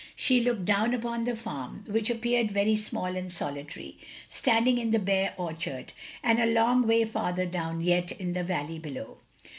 She looked down upon the farm, which appeared OP GROSVENOR SQUARE 151 very small and solitary, standing in the bare orchard; and a long way farther down yet, into the valley below.